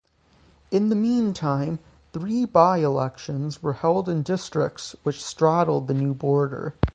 In the meantime, three by-elections were held in districts which straddled the new border.